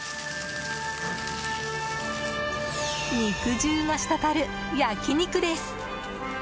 肉汁が滴る焼き肉です。